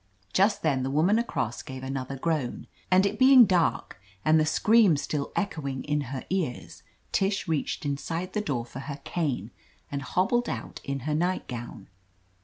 Just then the woman across gave another groan, and it being daric and the scream still echoing in her ears, Tish reached inside the door for her cane and hobbled out in her nightgown.